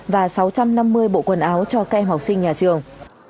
và sáu trăm năm mươi bộ quần áo cho các em học sinh nhà trường